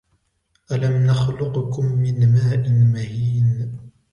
أَلَمْ نَخْلُقْكُمْ مِنْ مَاءٍ مَهِينٍ